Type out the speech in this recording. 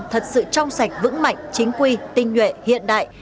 thật sự trong sạch vững mạnh chính quy tinh nhuệ hiện đại